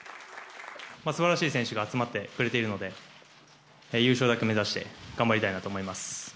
素晴らしい選手が集まってくれているので優勝だけ目指して頑張りたいなと思います。